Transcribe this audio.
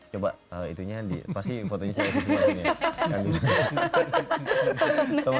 coba itunya di pasti fotonya chelsea islan ya